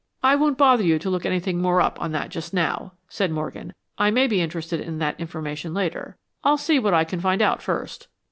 "I won't bother you to look anything more up on that just now," said Morgan. "I may be interested in the information later. I'll see what I can find out first."